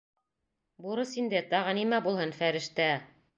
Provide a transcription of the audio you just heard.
— Бурыс инде, тағы нимә булһын, фәрештә-ә?